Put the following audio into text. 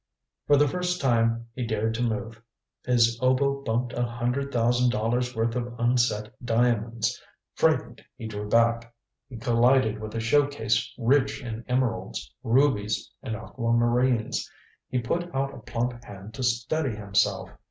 For the first time he dared to move. His elbow bumped a hundred thousand dollars' worth of unset diamonds. Frightened, he drew back. He collided with a show case rich in emeralds, rubies and aquamarines. He put out a plump hand to steady himself.